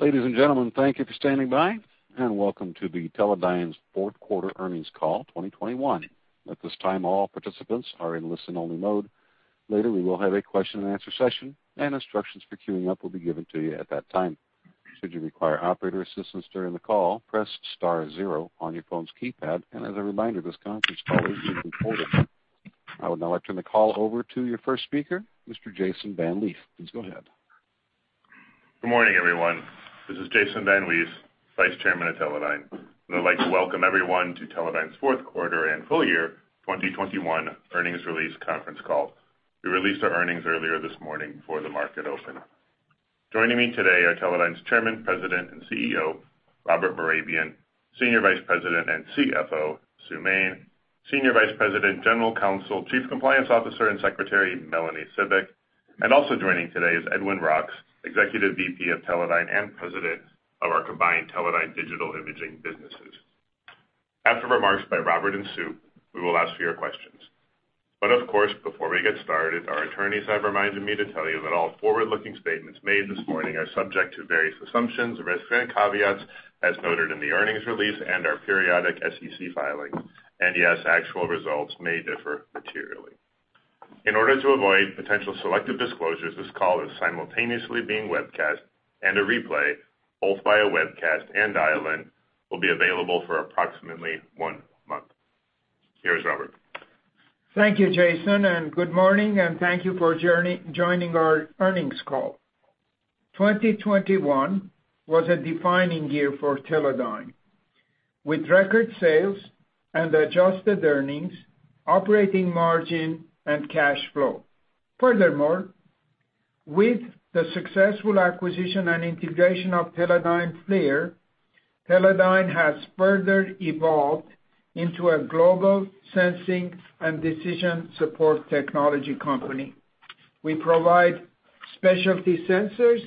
Ladies and gentlemen, thank you for standing by and welcome to the Teledyne's fourth quarter earnings call 2021. At this time, all participants are in listen-only mode. Later, we will have a question-and-answer session and instructions for queuing up will be given to you at that time. Should you require operator assistance during the call, press star zero on your phone's keypad. As a reminder, this conference call is being recorded. I would now like to turn the call over to your first speaker, Mr. Jason VanWees. Please go ahead. Good morning, everyone. This is Jason VanWees, Vice Chairman of Teledyne, and I'd like to welcome everyone to Teledyne's fourth quarter and full year 2021 earnings release conference call. We released our earnings earlier this morning before the market opened. Joining me today are Teledyne's Chairman, President, and CEO, Robert Mehrabian, Senior Vice President and CFO, Sue Main, Senior Vice President, General Counsel, Chief Compliance Officer, and Secretary, Melanie Cibik. Also joining today is Edwin Roks, Executive VP of Teledyne and President of our combined Teledyne Digital Imaging businesses. After remarks by Robert and Sue, we will ask for your questions. Of course, before we get started, our attorneys have reminded me to tell you that all forward-looking statements made this morning are subject to various assumptions, risks, and caveats as noted in the earnings release and our periodic SEC filings. Yes, actual results may differ materially. In order to avoid potential selective disclosures, this call is simultaneously being webcast and a replay, both via webcast and dial-in, will be available for approximately one month. Here's Robert. Thank you, Jason, and good morning and thank you for joining our earnings call. 2021 was a defining year for Teledyne with record sales and adjusted earnings, operating margin, and cash flow. Furthermore, with the successful acquisition and integration of Teledyne FLIR, Teledyne has further evolved into a global sensing and decision support technology company. We provide specialty sensors,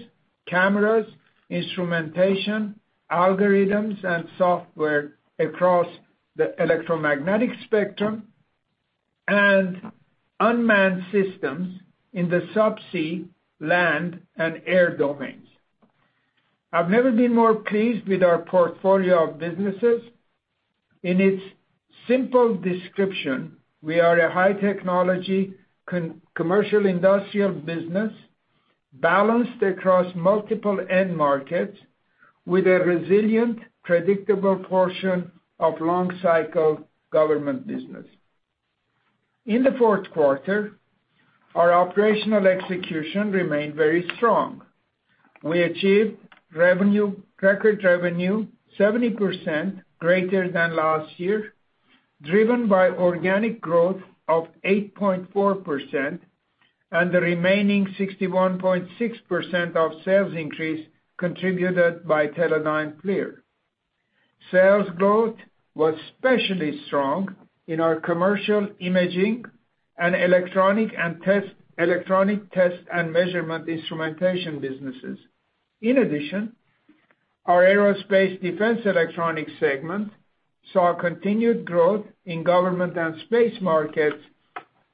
cameras, instrumentation, algorithms, and software across the electromagnetic spectrum and unmanned systems in the subsea, land and air domains. I've never been more pleased with our portfolio of businesses. In its simple description, we are a high technology commercial industrial business balanced across multiple end markets with a resilient, predictable portion of long-cycle government business. In the fourth quarter, our operational execution remained very strong. We achieved revenue, record revenue 70% greater than last year, driven by organic growth of 8.4%, and the remaining 61.6% of sales increase contributed by Teledyne FLIR. Sales growth was especially strong in our commercial imaging and electronic test and measurement instrumentation businesses. In addition, our Aerospace and Defense Electronics segment saw continued growth in government and space markets,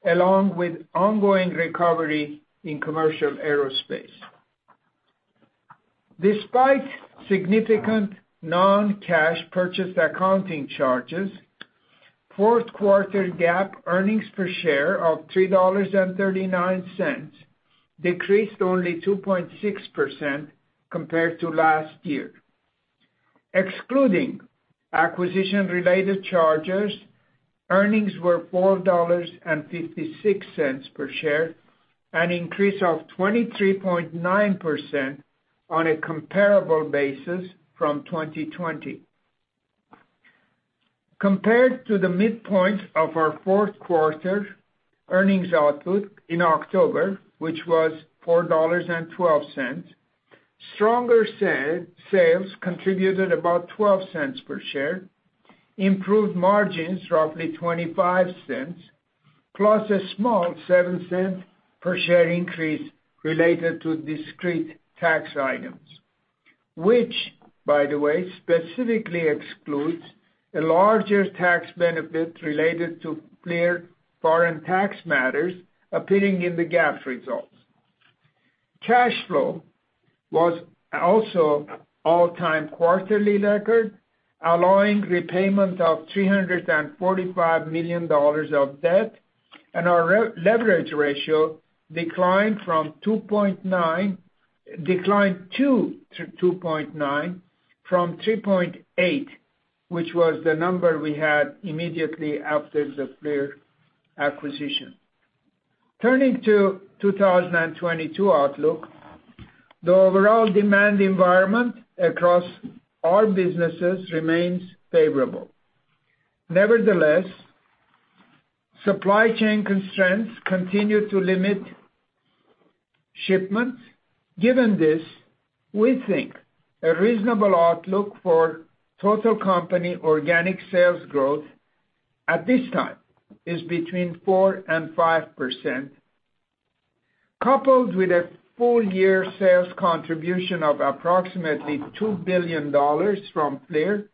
along with ongoing recovery in commercial aerospace. Despite significant non-cash purchase accounting charges, fourth quarter GAAP earnings per share of $3.39 decreased only 2.6% compared to last year. Excluding acquisition-related charges, earnings were $4.56 per share, an increase of 23.9% on a comparable basis from 2020. Compared to the midpoint of our fourth quarter earnings output in October, which was $4.12, stronger sales contributed about $0.12 per share, improved margins roughly $0.25, plus a small $0.07 per share increase related to discrete tax items, which, by the way, specifically excludes a larger tax benefit related to certain foreign tax matters appearing in the GAAP results. Cash flow was also all-time quarterly record, allowing repayment of $345 million of debt and our leverage ratio declined to 2.9 from 3.8, which was the number we had immediately after the FLIR acquisition. Turning to 2022 outlook, the overall demand environment across all businesses remains favorable. Nevertheless, supply chain constraints continue to limit shipments. Given this, we think a reasonable outlook for total company organic sales growth at this time is between 4% and 5%, coupled with a full year sales contribution of approximately $2 billion from FLIR.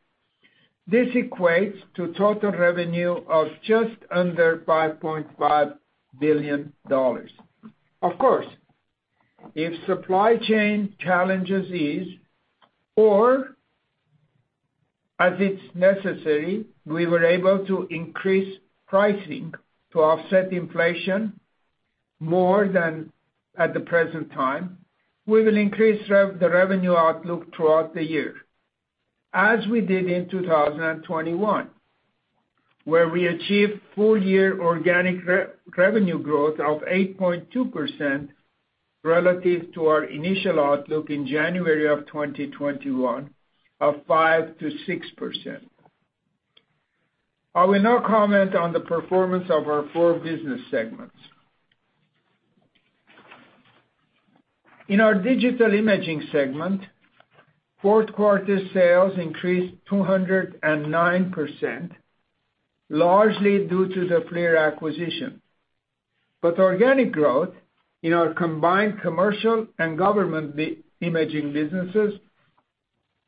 This equates to total revenue of just under $5.5 billion. Of course, if supply chain challenges ease or as it's necessary, we were able to increase pricing to offset inflation more than at the present time, we will increase the revenue outlook throughout the year, as we did in 2021, where we achieved full year organic revenue growth of 8.2% relative to our initial outlook in January of 2021 of 5%-6%. I will now comment on the performance of our four business segments. In our Digital Imaging segment, fourth quarter sales increased 209%, largely due to the FLIR acquisition. Organic growth in our combined commercial and government imaging businesses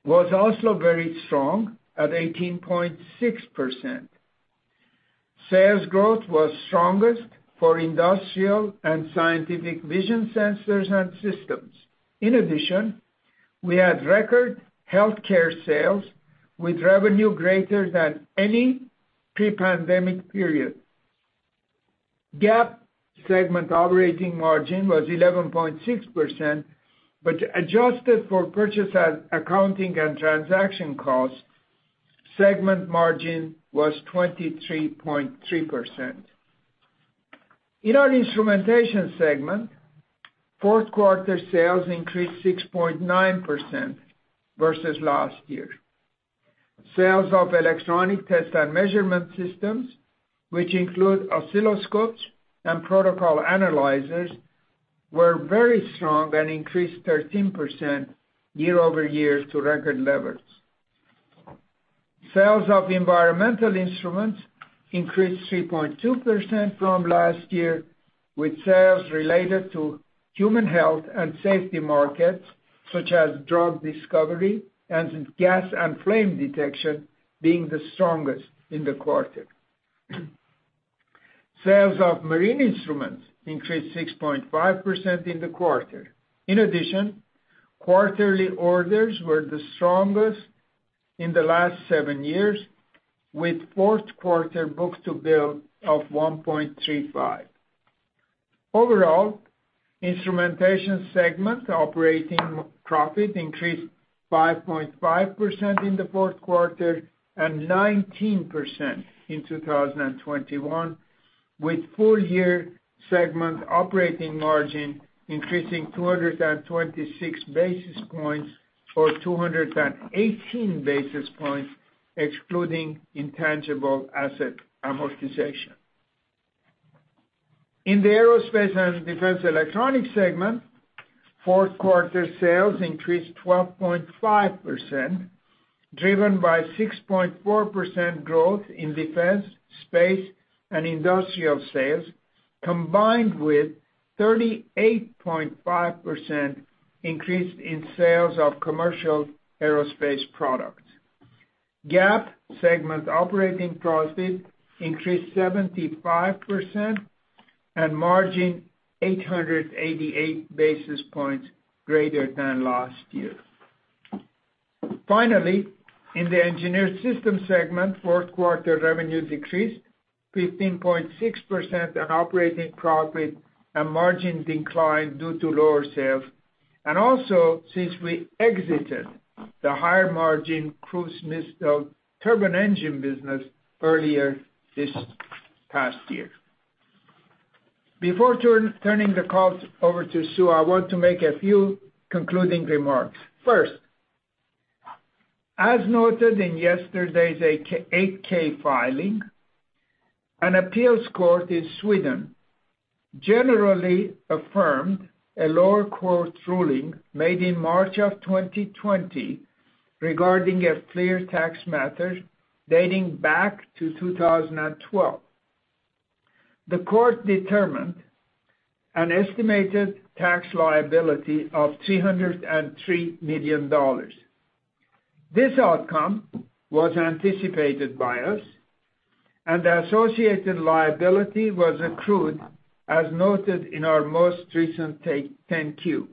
was also very strong at 18.6%. Sales growth was strongest for industrial and scientific vision sensors and systems. In addition, we had record healthcare sales with revenue greater than any pre-pandemic period. GAAP segment operating margin was 11.6%, but adjusted for purchase accounting and transaction costs, segment margin was 23.3%. In our Instrumentation segment, fourth quarter sales increased 6.9% versus last year. Sales of electronic test and measurement systems, which include oscilloscopes and protocol analyzers, were very strong and increased 13% year-over-year to record levels. Sales of environmental instruments increased 3.2% from last year, with sales related to human health and safety markets, such as drug discovery and gas and flame detection, being the strongest in the quarter. Sales of marine instruments increased 6.5% in the quarter. In addition, quarterly orders were the strongest in the last seven years, with fourth quarter book-to-bill of 1.35. Overall, Instrumentation segment operating profit increased 5.5% in the fourth quarter and 19% in 2021, with full year segment operating margin increasing 226 basis points or 218 basis points excluding intangible asset amortization. In the Aerospace and Defense Electronics segment, fourth quarter sales increased 12.5%, driven by 6.4% growth in defense, space, and industrial sales, combined with 38.5% increase in sales of commercial aerospace products. GAAP segment operating profit increased 75% and margin 888 basis points greater than last year. Finally, in the Engineered Systems segment, fourth quarter revenue decreased 15.6% and operating profit and margin declined due to lower sales, and also since we exited the higher margin cruise missile turbine engine business earlier this past year. Before turning the call over to Sue, I want to make a few concluding remarks. First, as noted in yesterday's 8-K filing, an appeals court in Sweden generally affirmed a lower court's ruling made in March 2020 regarding a FLIR tax matter dating back to 2012. The court determined an estimated tax liability of $303 million. This outcome was anticipated by us and the associated liability was accrued as noted in our most recent 10-Q.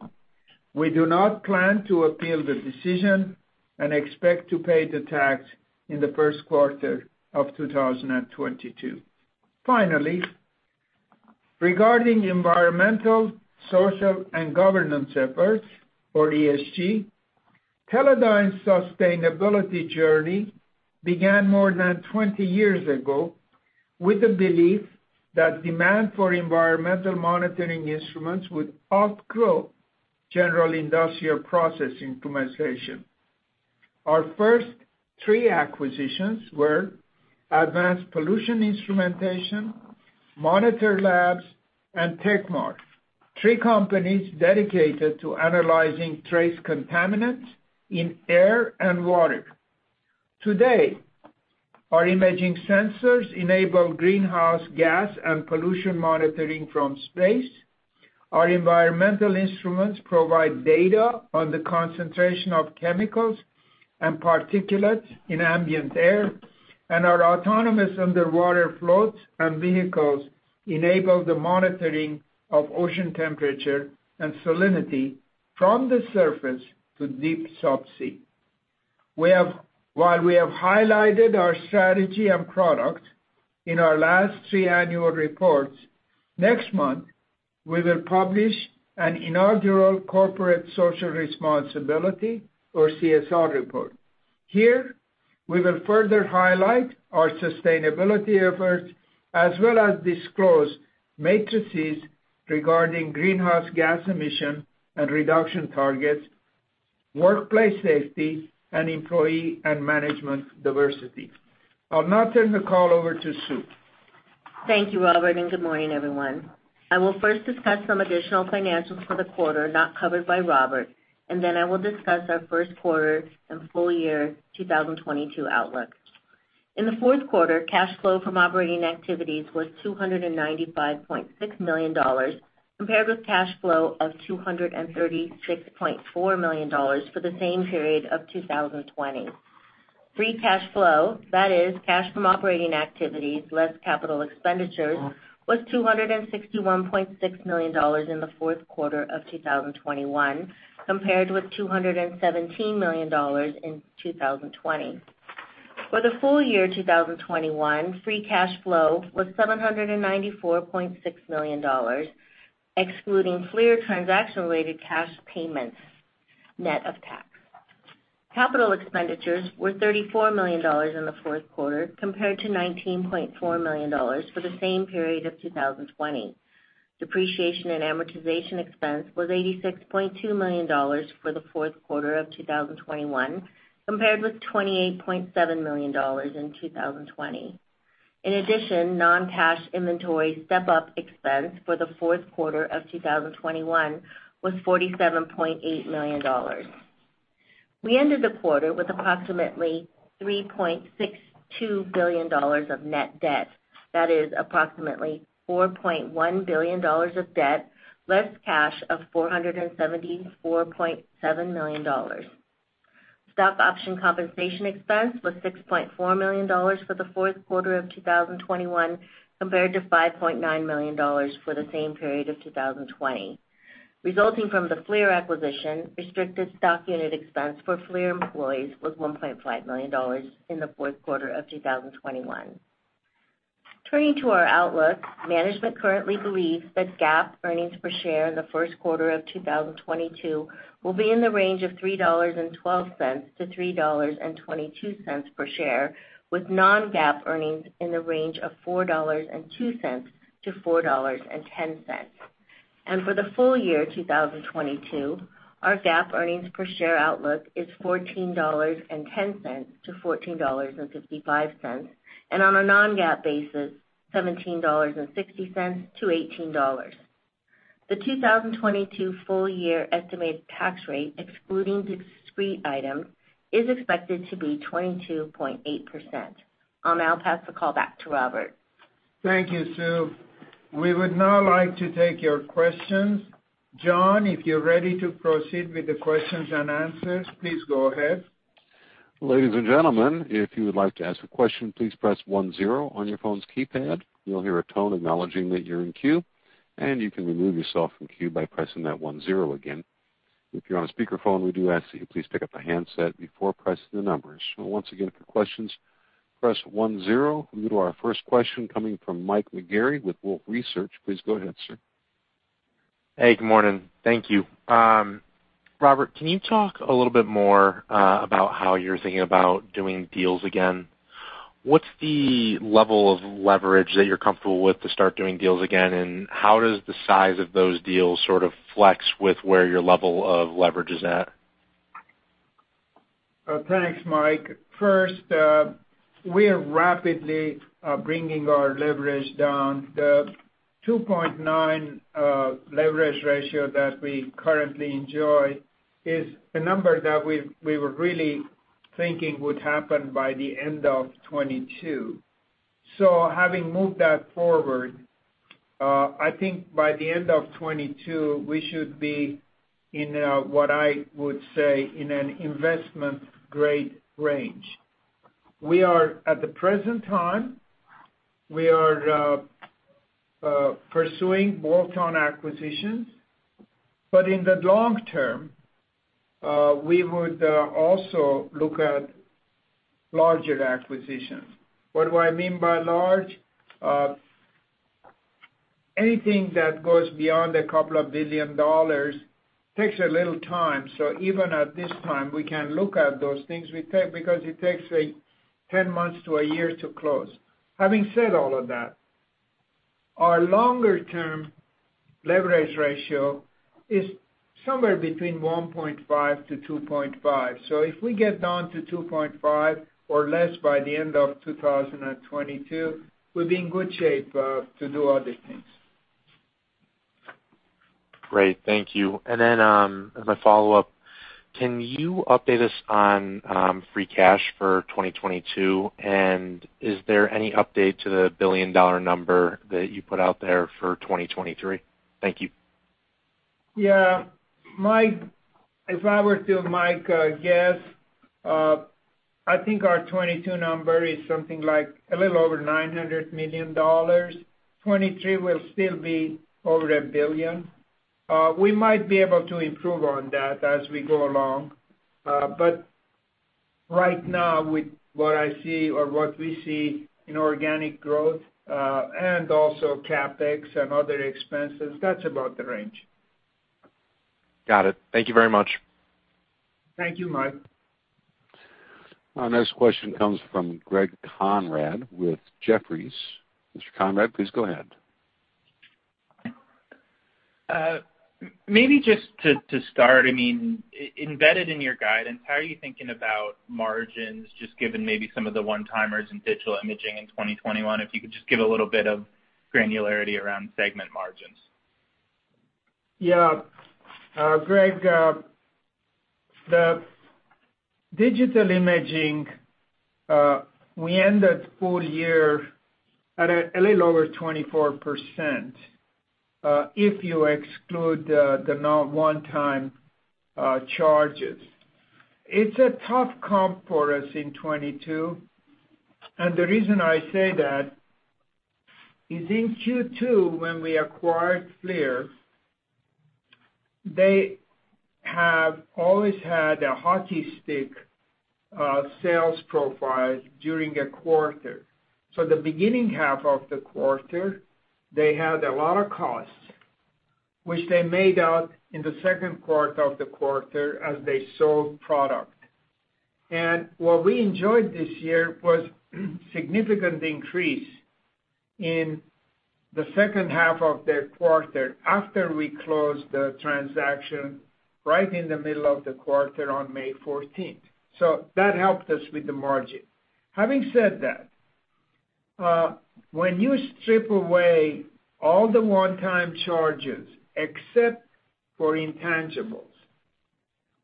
We do not plan to appeal the decision and expect to pay the tax in the first quarter of 2022. Finally, regarding environmental, social, and governance efforts for ESG, Teledyne's sustainability journey began more than 20 years ago with the belief that demand for environmental monitoring instruments would outgrow general industrial process instrumentation. Our first three acquisitions were Advanced Pollution Instrumentation, Monitor Labs, and Tekmar, three companies dedicated to analyzing trace contaminants in air and water. Today, our imaging sensors enable greenhouse gas and pollution monitoring from space. Our environmental instruments provide data on the concentration of chemicals and particulates in ambient air, and our autonomous underwater floats and vehicles enable the monitoring of ocean temperature and salinity from the surface to deep subsea. While we have highlighted our strategy and product in our last three annual reports, next month, we will publish an inaugural corporate social responsibility or CSR report. Here, we will further highlight our sustainability efforts as well as disclose metrics regarding greenhouse gas emission and reduction targets, workplace safety, and employee and management diversity. I'll now turn the call over to Sue. Thank you, Robert, and good morning, everyone. I will first discuss some additional financials for the quarter not covered by Robert, and then I will discuss our first quarter and full year 2022 outlook. In the fourth quarter, cash flow from operating activities was $295.6 million, compared with cash flow of $236.4 million for the same period of 2020. Free cash flow, that is cash from operating activities less capital expenditures, was $261.6 million in the fourth quarter of 2021, compared with $217 million in 2020. For the full year 2021, free cash flow was $794.6 million, excluding FLIR transaction-related cash payments net of tax. Capital expenditures were $34 million in the fourth quarter, compared to $19.4 million for the same period of 2020. Depreciation and amortization expense was $86.2 million for the fourth quarter of 2021, compared with $28.7 million in 2020. In addition, non-cash inventory step-up expense for the fourth quarter of 2021 was $47.8 million. We ended the quarter with approximately $3.62 billion of net debt. That is approximately $4.1 billion of debt, less cash of $474.7 million. Stock option compensation expense was $6.4 million for the fourth quarter of 2021, compared to $5.9 million for the same period of 2020. Resulting from the FLIR acquisition, restricted stock unit expense for FLIR employees was $1.5 million in the fourth quarter of 2021. Turning to our outlook, management currently believes that GAAP earnings per share in the first quarter of 2022 will be in the range of $3.12-$3.22 per share, with non-GAAP earnings in the range of $4.02-$4.10. For the full year 2022, our GAAP earnings per share outlook is $14.10-$14.55, and on a non-GAAP basis, $17.60-$18. The 2022 full year estimated tax rate, excluding discrete items, is expected to be 22.8%. I'll now pass the call back to Robert. Thank you, Sue. We would now like to take your questions. John, if you're ready to proceed with the questions and answers, please go ahead. Ladies and gentlemen, if you would like to ask a question, please press one-zero on your phone's keypad. You'll hear a tone acknowledging that you're in queue, and you can remove yourself from queue by pressing that one-zero again. If you're on a speakerphone, we do ask that you please pick up the handset before pressing the numbers. Once again, for questions, press one-zero. We'll go to our first question coming from Mike Maugeri with Wolfe Research. Please go ahead, sir. Hey, good morning. Thank you. Robert, can you talk a little bit more about how you're thinking about doing deals again? What's the level of leverage that you're comfortable with to start doing deals again, and how does the size of those deals sort of flex with where your level of leverage is at? Thanks, Mike. First, we are rapidly bringing our leverage down. The 2.9 leverage ratio that we currently enjoy is a number that we were really thinking would happen by the end of 2022. Having moved that forward, I think by the end of 2022, we should be in a, what I would say, in an investment grade range. We are. At the present time, we are pursuing bolt-on acquisitions. In the long-term, we would also look at larger acquisitions. What do I mean by large? Anything that goes beyond a couple of billion dollars takes a little time. Even at this time, we can look at those things we take because it takes, like, 10 months to a year to close. Having said all of that, our longer-term leverage ratio is somewhere between 1.5-2.5. If we get down to 2.5 or less by the end of 2022, we'll be in good shape to do other things. Great. Thank you. As a follow-up, can you update us on free cash for 2022? Is there any update to the $1 billion number that you put out there for 2023? Thank you. Yeah. Mike, if I were to guess, I think our 2022 number is something like a little over $900 million. 2023 will still be over $1 billion. We might be able to improve on that as we go along. Right now with what I see or what we see in organic growth, and also CapEx and other expenses, that's about the range. Got it. Thank you very much. Thank you, Mike. Our next question comes from Greg Konrad with Jefferies. Mr. Konrad, please go ahead. Maybe just to start, I mean, embedded in your guidance, how are you thinking about margins just given maybe some of the one-timers in Digital Imaging in 2021? If you could just give a little bit of granularity around segment margins. Yeah. Greg, the Digital Imaging, we ended full year at a little over 24%, if you exclude the non-one-time charges. It's a tough comp for us in 2022, and the reason I say that is in Q2, when we acquired FLIR, they have always had a hockey stick sales profile during a quarter. The beginning half of the quarter, they had a lot of costs, which they made up in the second quarter of the quarter as they sold product. What we enjoyed this year was significant increase in the second half of their quarter after we closed the transaction right in the middle of the quarter on May 14. That helped us with the margin. Having said that, when you strip away all the one-time charges, except for intangibles,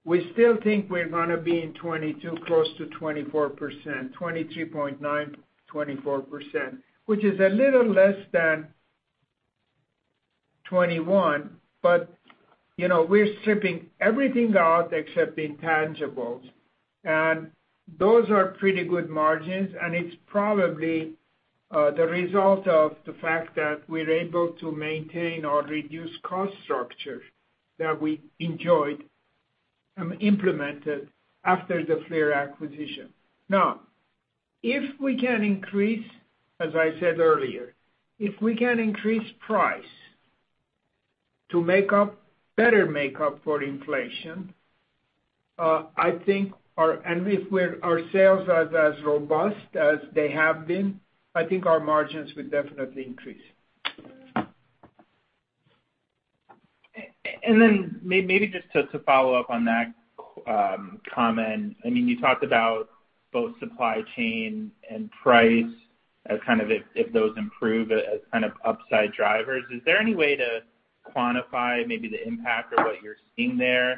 we still think we're gonna be in 22%, close to 24%, 23.9%-24%, which is a little less than 21%. You know, we're stripping everything out except intangibles. Those are pretty good margins, and it's probably the result of the fact that we're able to maintain our reduced cost structure that we enjoyed and implemented after the FLIR acquisition. Now, as I said earlier, if we can increase price to better make up for inflation, I think our sales are as robust as they have been, I think our margins will definitely increase. Maybe just to follow-up on that comment. I mean, you talked about both supply chain and price as kind of if those improve as kind of upside drivers. Is there any way to quantify maybe the impact of what you're seeing there?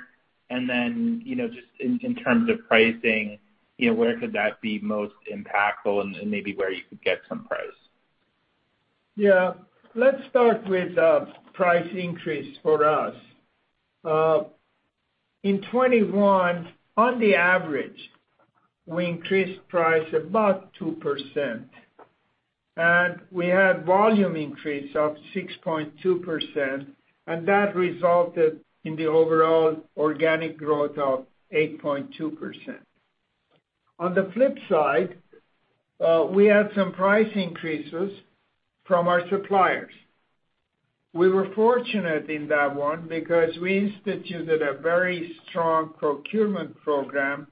You know, just in terms of pricing, you know, where could that be most impactful and maybe where you could get some price? Yeah. Let's start with price increase for us. In 2021, on average, we increased price about 2%, and we had volume increase of 6.2%, and that resulted in the overall organic growth of 8.2%. On the flip side, we had some price increases from our suppliers. We were fortunate in that one because we instituted a very strong procurement program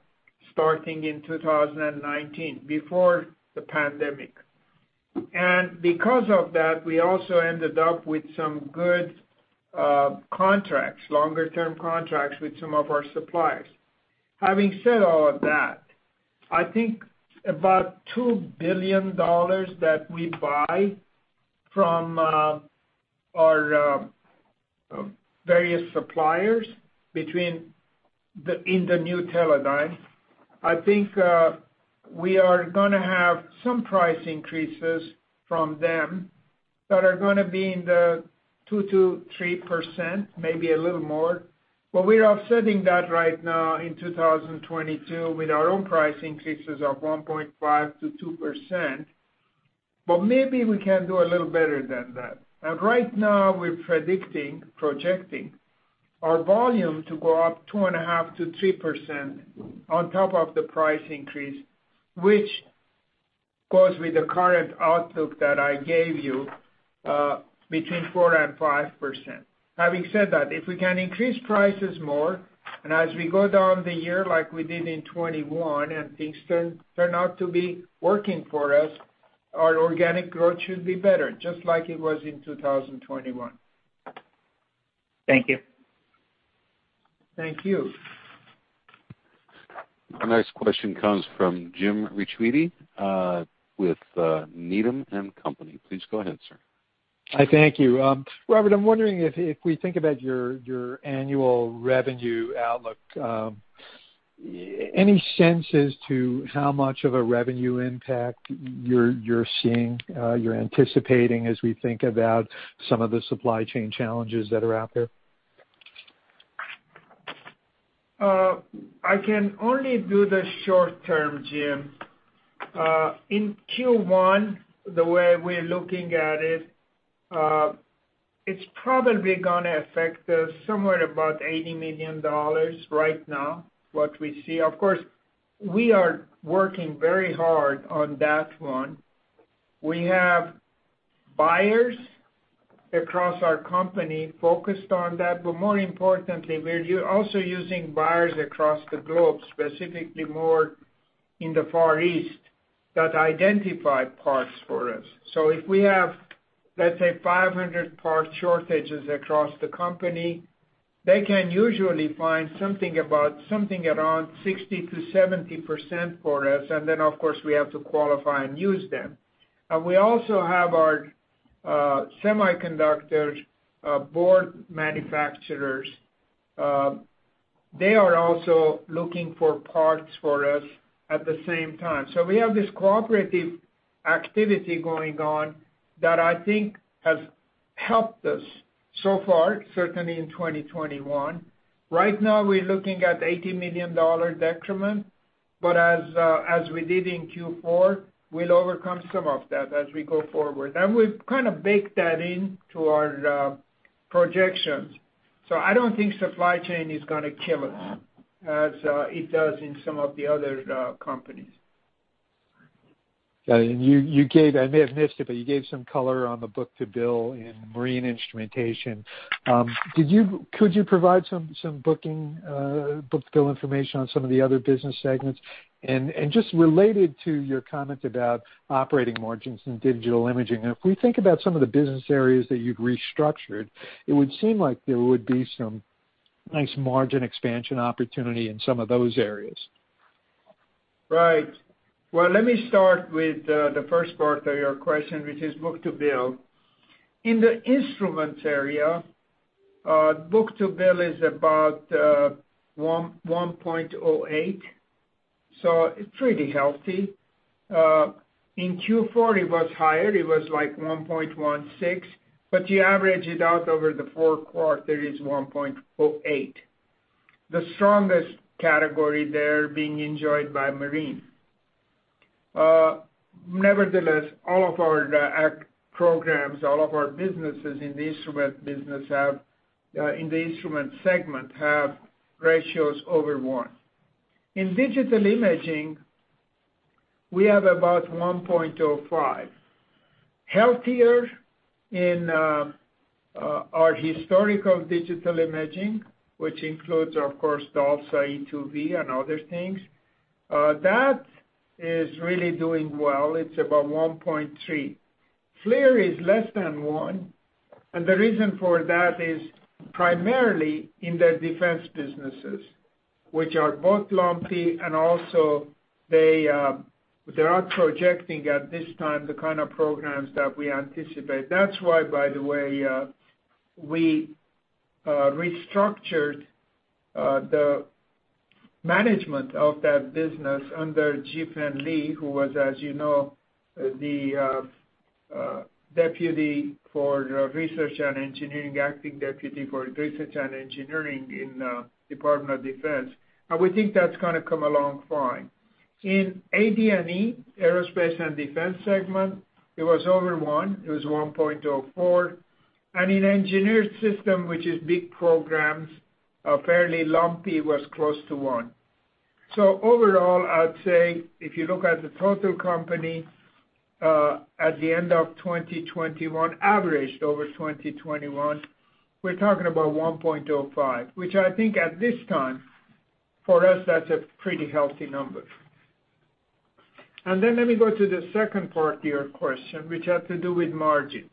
starting in 2019, before the pandemic. Because of that, we also ended up with some good contracts, longer-term contracts with some of our suppliers. Having said all of that, I think about $2 billion that we buy from our various suppliers in the new Teledyne. I think we are gonna have some price increases from them that are gonna be in the 2%-3%, maybe a little more. We're offsetting that right now in 2022 with our own price increases of 1.5%-2%. Maybe we can do a little better than that. Right now we're predicting, projecting our volume to go up 2.5%-3% on top of the price increase, which goes with the current outlook that I gave you between 4%-5%. Having said that, if we can increase prices more, and as we go through the year like we did in 2021 and things turn out to be working for us, our organic growth should be better, just like it was in 2021. Thank you. Thank you. Our next question comes from Jim Ricchiuti with Needham & Company. Please go ahead, sir. I thank you. Robert, I'm wondering if we think about your annual revenue outlook, any sense as to how much of a revenue impact you're seeing, you're anticipating as we think about some of the supply chain challenges that are out there? I can only do the short-term, Jim. In Q1, the way we're looking at it's probably gonna affect us somewhere about $80 million right now, what we see. Of course, we are working very hard on that one. We have buyers across our company focused on that. But more importantly, we're also using buyers across the globe, specifically more in the Far East, that identify parts for us. So if we have, let's say, 500 parts shortages across the company, they can usually find something around 60%-70% for us, and then, of course, we have to qualify and use them. We also have our semiconductors, board manufacturers. They are also looking for parts for us at the same time. We have this cooperative activity going on that I think has helped us so far, certainly in 2021. Right now we're looking at $80 million decrement, but as we did in Q4, we'll overcome some of that as we go forward. We've kind of baked that into our projections. I don't think supply chain is gonna kill us as it does in some of the other companies. Got it. I may have missed it, but you gave some color on the book-to-bill in marine instrumentation. Could you provide some book-to-bill information on some of the other business segments? Just related to your comment about operating margins and Digital Imaging, if we think about some of the business areas that you'd restructured, it would seem like there would be some nice margin expansion opportunity in some of those areas. Right. Well, let me start with the first part of your question, which is book-to-bill. In the Instrumentation area, book-to-bill is about 1.08, so it's pretty healthy. In Q4 it was higher, it was like 1.16, but you average it out over the four quarters, it's 1.08. The strongest category there being enjoyed by marine. Nevertheless, all of our programs, all of our businesses in the Instrumentation business have in the Instrumentation segment ratios over one. In Digital Imaging, we have about 1.05. Healthier in our historical Digital Imaging, which includes of course DALSA, e2v and other things, that is really doing well. It's about 1.3. FLIR is less than one, and the reason for that is primarily in the defense businesses, which are both lumpy and also they're not projecting at this time the kind of programs that we anticipate. That's why, by the way, we restructured the management of that business under JihFen Lei, who was, as you know, the acting deputy for research and engineering in Department of Defense, and we think that's gonna come along fine. In A&DE, Aerospace and Defense segment, it was over one, it was 1.04. In Engineered Systems, which is big programs, fairly lumpy, was close to one. Overall, I'd say if you look at the total company, at the end of 2021, averaged over 2021, we're talking about 1.05, which I think at this time, for us that's a pretty healthy number. Let me go to the second part of your question, which had to do with margins.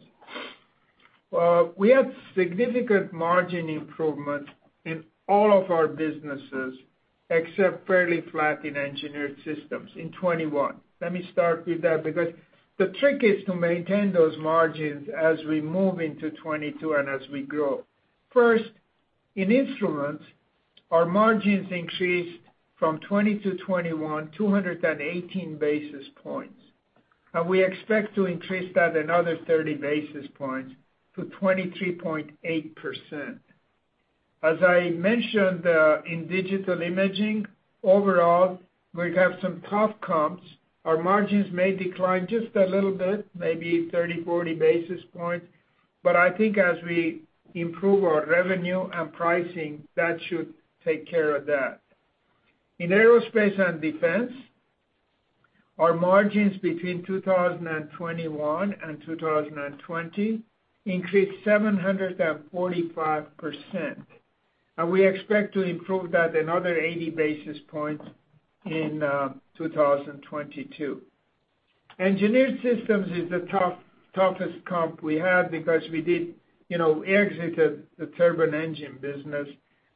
We have significant margin improvement in all of our businesses, except fairly flat in Engineered Systems in 2021. Let me start with that because the trick is to maintain those margins as we move into 2022 and as we grow. First, in Instrumentation, our margins increased from 2020 to 2021, 218 basis points, and we expect to increase that another 30 basis points to 23.8%. As I mentioned, in Digital Imaging, overall, we have some tough comps. Our margins may decline just a little bit, maybe 30-40 basis points, but I think as we improve our revenue and pricing, that should take care of that. In Aerospace and Defense, our margins between 2020 and 2021 increased 745%, and we expect to improve that another 80 basis points in 2022. Engineered Systems is the toughest comp we have because we did, you know, exited the turbine engine business,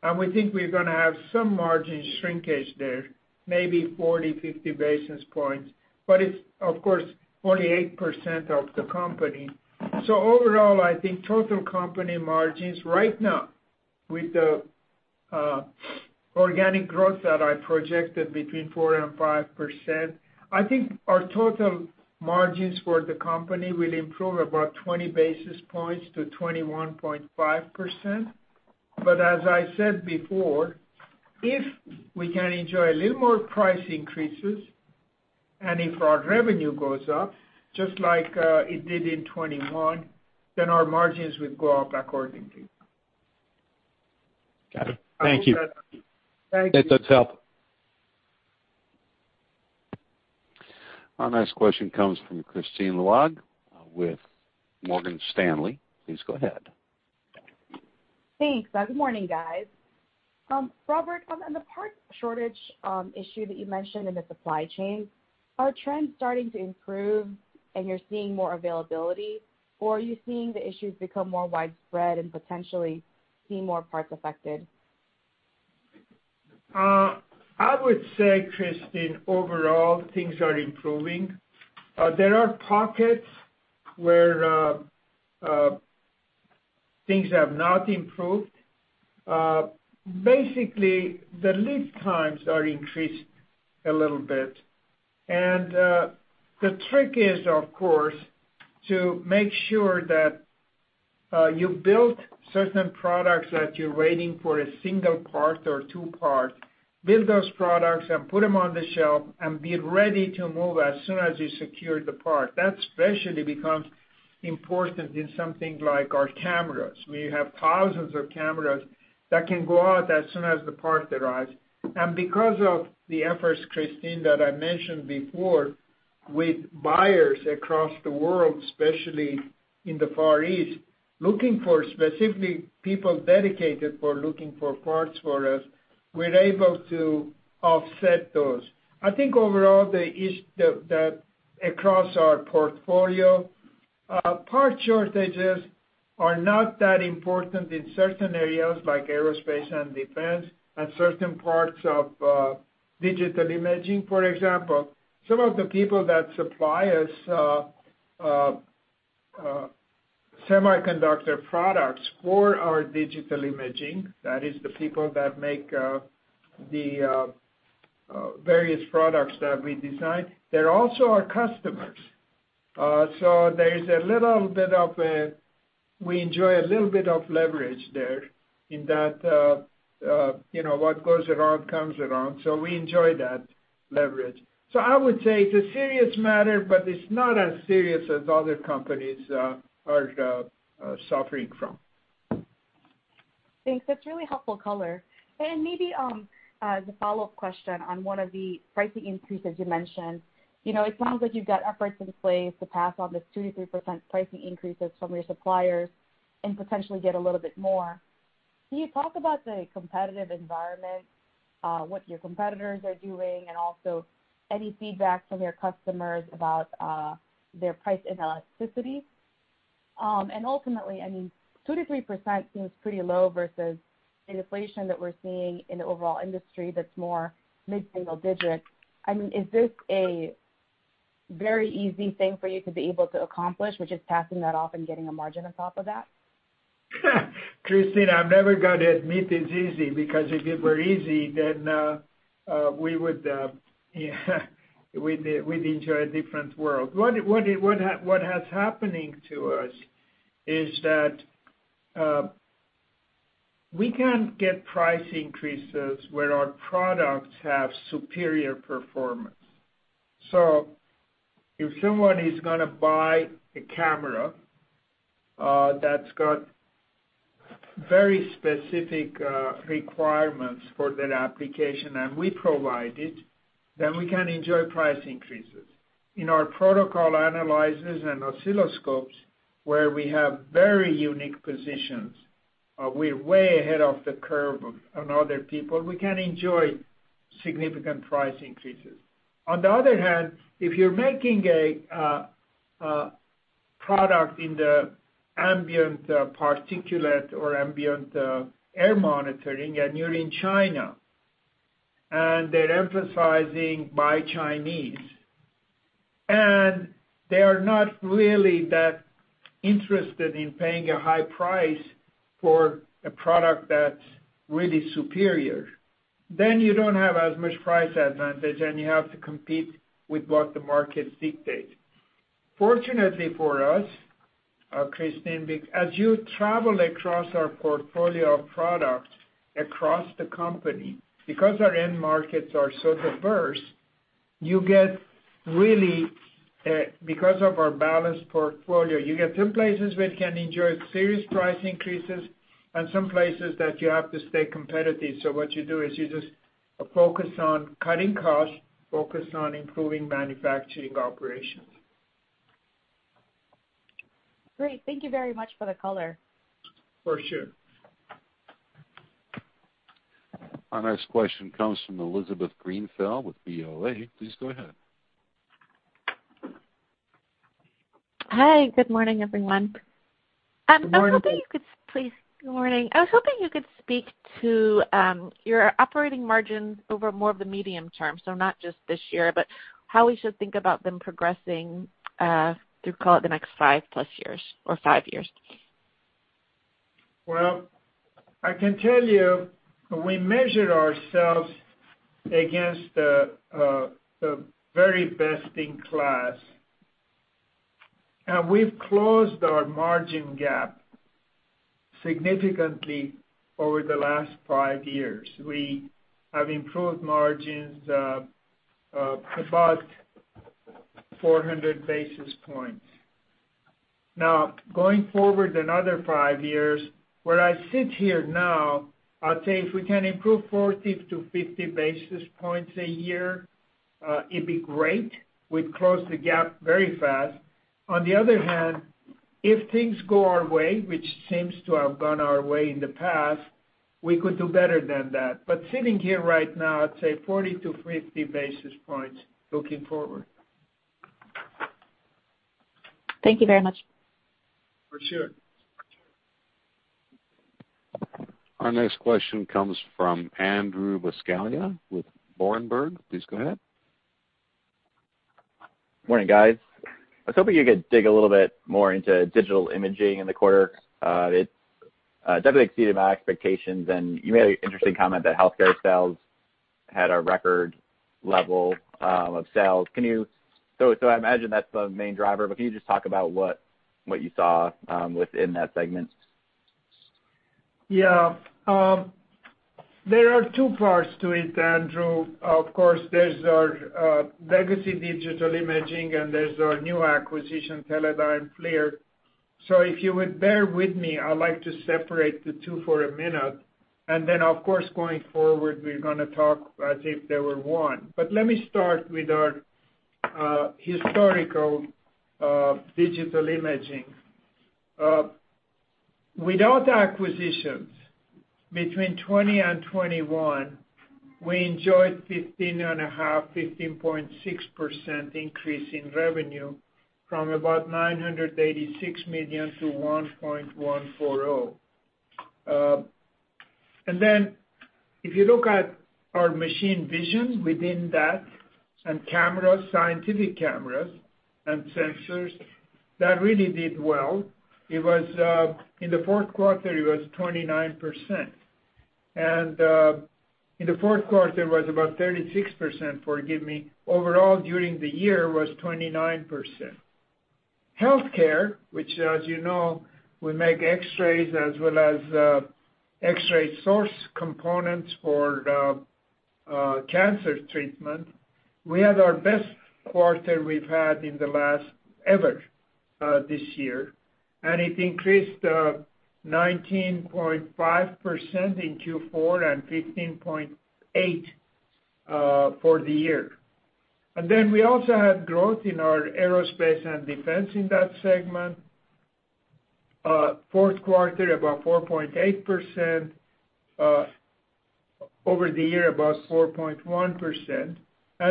and we think we're gonna have some margin shrinkage there, maybe 40-50 basis points. It's, of course, 48% of the company. Overall, I think total company margins right now, with the organic growth that I projected between 4% and 5%, I think our total margins for the company will improve about 20 basis points to 21.5%. As I said before, if we can enjoy a little more price increases, and if our revenue goes up just like it did in 2021, then our margins will go up accordingly. Got it. Thank you. Thank you. That does help. Our next question comes from Kristine Liwag with Morgan Stanley. Please go ahead. Thanks. Good morning, guys. Robert, on the parts shortage issue that you mentioned in the supply chain, are trends starting to improve and you're seeing more availability, or are you seeing the issues become more widespread and potentially see more parts affected? I would say, Kristine, overall, things are improving. There are pockets where things have not improved. Basically, the lead times are increased a little bit. The trick is, of course, to make sure that you build certain products that you're waiting for a single part or two part, build those products and put them on the shelf and be ready to move as soon as you secure the part. That especially becomes important in something like our cameras. We have thousands of cameras that can go out as soon as the part arrives. Because of the efforts, Kristine, that I mentioned before with buyers across the world, especially in the Far East, looking for specifically people dedicated for looking for parts for us, we're able to offset those. I think overall, the issues across our portfolio, parts shortages are not that important in certain areas like Aerospace and Defense and certain parts of Digital Imaging. For example, some of the people that supply us semiconductor products for our Digital Imaging, that is the people that make various products that we design, they're also our customers. There is a little bit of leverage there in that, you know, what goes around comes around, so we enjoy that leverage. I would say it's a serious matter, but it's not as serious as other companies are suffering from. Thanks. That's really helpful color. Maybe, as a follow-up question on one of the pricing increases you mentioned. You know, it sounds like you've got efforts in place to pass on this 2%-3% pricing increases from your suppliers and potentially get a little bit more. Can you talk about the competitive environment, what your competitors are doing, and also any feedback from your customers about their price elasticity? Ultimately, I mean, 2%-3% seems pretty low versus the inflation that we're seeing in the overall industry that's more mid-single-digit. I mean, is this a very easy thing for you to be able to accomplish, which is passing that off and getting a margin on top of that? Kristine, I'm never gonna admit it's easy because if it were easy, then we would enter a different world. What has been happening to us is that we can get price increases where our products have superior performance. If someone is gonna buy a camera that's got very specific requirements for that application, and we provide it, then we can enjoy price increases. In our protocol analyzers and oscilloscopes, where we have very unique positions, we're way ahead of the curve on other people, we can enjoy significant price increases. On the other hand, if you're making a product in the ambient particulate or ambient air monitoring, and you're in China, and they're emphasizing buy Chinese, and they are not really that interested in paying a high price for a product that's really superior, then you don't have as much price advantage, and you have to compete with what the market dictates. Fortunately for us, Kristine, as you travel across our portfolio of products across the company, because our end markets are so diverse, you get really because of our balanced portfolio, you get some places where you can enjoy serious price increases and some places that you have to stay competitive. What you do is you just focus on cutting costs, focus on improving manufacturing operations. Great. Thank you very much for the color. For sure. Our next question comes from Elizabeth Grenfell with BoA. Please go ahead. Hi, good morning, everyone. Good morning. Good morning. I was hoping you could speak to your operating margins over more of the medium-term. Not just this year, but how we should think about them progressing through, call it, the next 5+ years or five years. Well, I can tell you that we measured ourselves against the very best-in-class. We've closed our margin gap significantly over the last five years. We have improved margins about 400 basis points. Now, going forward another five years, where I sit here now, I'd say if we can improve 40-50 basis points a year, it'd be great. We'd close the gap very fast. On the other hand, if things go our way, which seems to have gone our way in the past, we could do better than that. Sitting here right now, I'd say 40-50 basis points looking forward. Thank you very much. For sure. Our next question comes from Andrew Buscaglia with Berenberg. Please go ahead. Morning, guys. I was hoping you could dig a little bit more into Digital Imaging in the quarter. It definitely exceeded my expectations. You made an interesting comment that healthcare sales had a record level of sales. I imagine that's the main driver, but can you just talk about what you saw within that segment? Yeah. There are two parts to it, Andrew. Of course, there's our legacy Digital Imaging, and there's our new acquisition, Teledyne FLIR. If you would bear with me, I'd like to separate the two for a minute. Then, of course, going forward, we're gonna talk as if they were one. Let me start with our historical Digital Imaging. Without acquisitions, between 2020 and 2021, we enjoyed 15.5%, 15.6% increase in revenue from about $986 million-$1.140 billion. Then if you look at our machine vision within that and cameras, scientific cameras and sensors, that really did well. It was in the fourth quarter, it was 29%. In the fourth quarter, it was about 36%, forgive me. Overall, during the year was 29%. Healthcare, which, as you know, we make X-rays as well as X-ray source components for the cancer treatment, we had our best quarter we've ever had this year, and it increased 19.5% in Q4 and 15.8% for the year. Then we also had growth in our Aerospace and Defense in that segment. Fourth quarter, about 4.8%. Over the year, about 4.1%.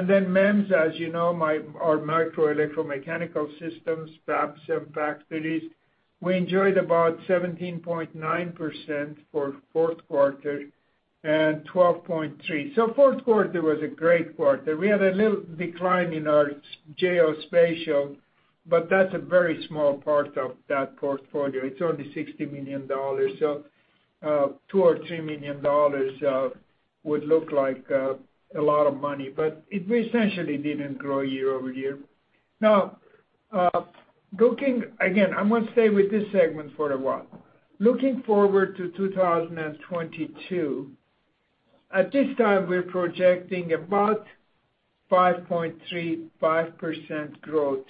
Then MEMS, as you know, our Micro Electro-Mechanical Systems, some factories. We enjoyed about 17.9% for fourth quarter and 12.3%. Fourth quarter was a great quarter. We had a little decline in our geospatial, but that's a very small part of that portfolio. It's only $60 million. $2 million-$3 million would look like a lot of money, but it essentially didn't grow year-over-year. Now, again, I'm gonna stay with this segment for a while. Looking forward to 2022, at this time, we're projecting about 5.35% growth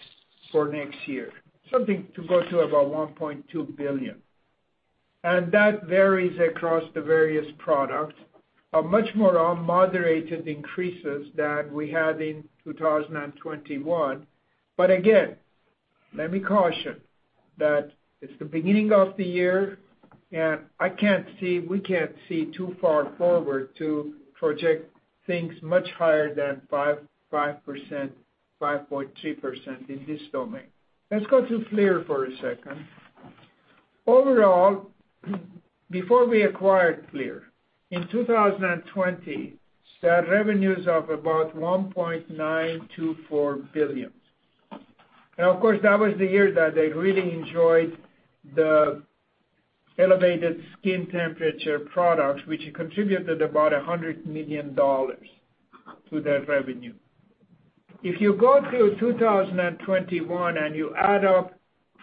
for next year, something to go to about $1.2 billion. That varies across the various products. A much more moderated increases than we had in 2021. Again, let me caution that it's the beginning of the year, and I can't see, we can't see too far forward to project things much higher than 5%, 5.3% in this domain. Let's go to FLIR for a second. Overall, before we acquired FLIR, in 2020, they had revenues of about $1.924 billion. Now, of course, that was the year that they really enjoyed the elevated skin temperature products, which contributed about $100 million to that revenue. If you go through 2021 and you add up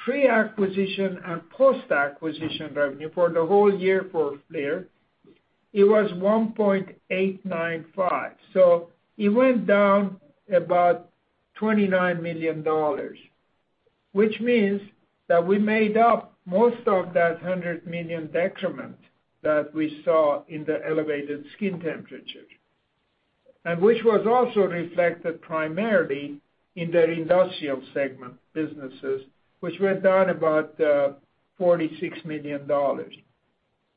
pre-acquisition and post-acquisition revenue for the whole year for FLIR, it was $1.895 billion. It went down about $29 million, which means that we made up most of that $100 million detriment that we saw in the elevated skin temperature. Which was also reflected primarily in their industrial segment businesses, which went down about $46 million.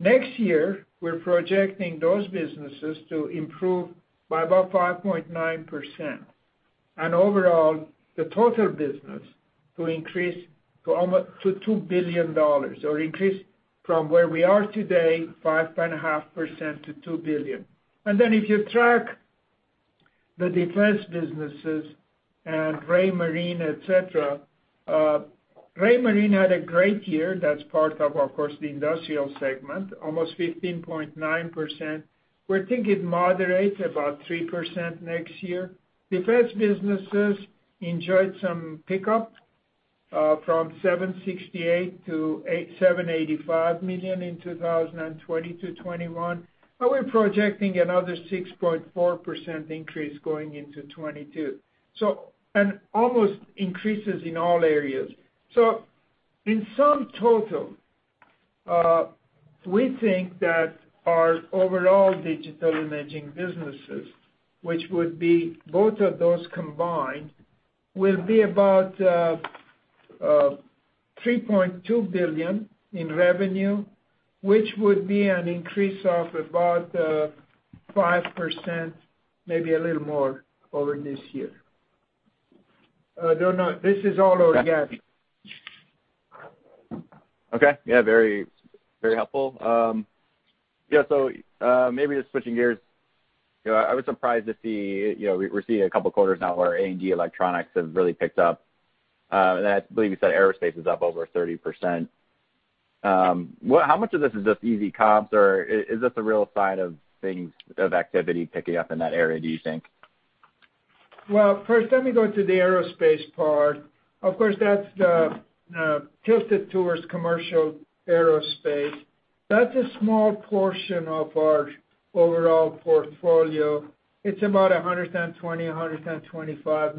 Next year, we're projecting those businesses to improve by about 5.9%. Overall, the total business to increase to to $2 billion or increase from where we are today, 5.5% to $2 billion. If you track the defense businesses and Raymarine, et cetera, Raymarine had a great year. That's part of course, the industrial segment, almost 15.9%. We think it moderates about 3% next year. Defense businesses enjoyed some pickup from $768 million-$785 million in 2020 to 2021. But we're projecting another 6.4% increase going into 2022. Almost increases in all areas. In sum total, we think that our overall Digital Imaging businesses, which would be both of those combined, will be about $3.2 billion in revenue, which would be an increase of about 5%, maybe a little more over this year. Don't know. This is all organic. Okay. Yeah, very, very helpful. Yeah, so, maybe just switching gears, you know, I was surprised to see, you know, we're seeing a couple quarters now where A&D Electronics have really picked up. I believe you said aerospace is up over 30%. How much of this is just easy comps, or is this a real sign of things, of activity picking up in that area, do you think? Well, first let me go to the aerospace part. Of course, that's the tilted towards commercial aerospace. That's a small portion of our overall portfolio. It's about $125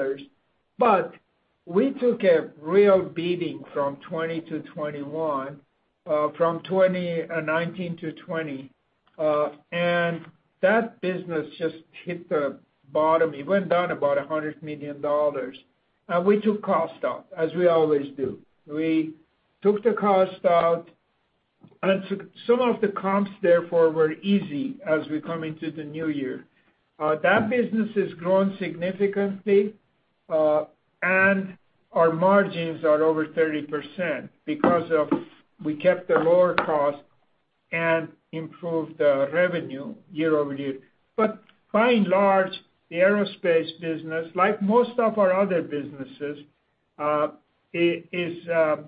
million. We took a real beating from 2020 to 2021, from 2019 to 2020. That business just hit the bottom. It went down about $100 million. We took cost out, as we always do. We took the cost out, and some of the comps, therefore, were easy as we come into the new year. That business has grown significantly, and our margins are over 30% because we kept the lower cost and improved the revenue year-over-year. By and large, the aerospace business, like most of our other businesses, is a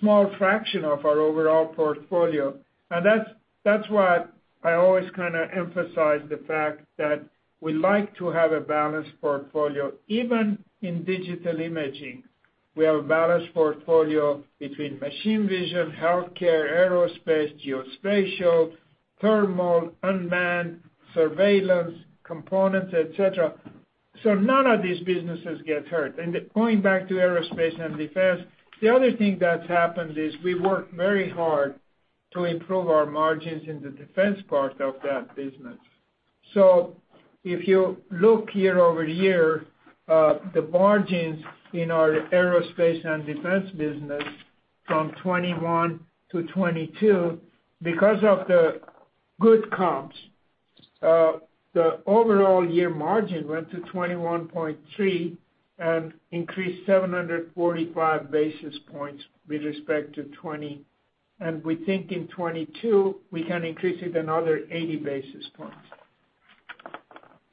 small fraction of our overall portfolio. That's why I always kinda emphasize the fact that we like to have a balanced portfolio. Even in Digital Imaging, we have a balanced portfolio between machine vision, healthcare, aerospace, geospatial, thermal, unmanned surveillance, components, etc. None of these businesses get hurt. Going back to Aerospace and Defense, the other thing that's happened is we worked very hard to improve our margins in the defense part of that business. If you look year over year, the margins in our Aerospace and Defense business from 2021 to 2022 because of the good comps, the overall year margin went to 21.3% and increased 745 basis points with respect to 2020. We think in 2022 we can increase it another 80 basis points.